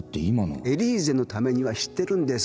『エリーゼのために』は知ってるんです。